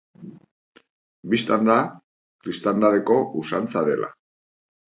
Bistan da, kristandadeko usantza dela.